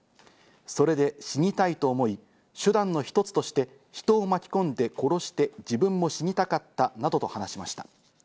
それで死にたいと思い、手段の一つとして人を巻き込んで殺して、自分も死にたかったなどと話しました。